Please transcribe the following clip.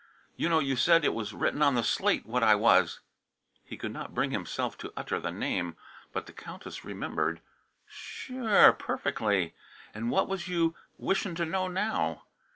You know, you said, it was written on the slate what I was " He could not bring himself to utter the name. But the Countess remembered. "Sure; perfectly! And what was you wishing to know now?"